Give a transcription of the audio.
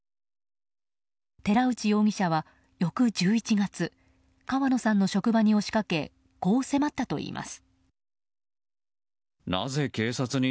寺内容疑者は翌１１月川野さんの職場に押し掛けこう迫ったといいます。